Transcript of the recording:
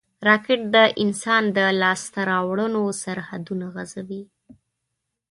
راکټ د انسان د لاسته راوړنو سرحدونه غځوي